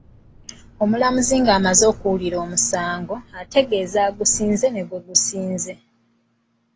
Omulamuzi ng'amaze okuwulira omusango, ategeeza agusinze ne gwe gusinze.